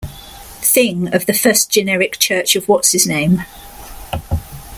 Thing of the First Generic Church of What's-his-name.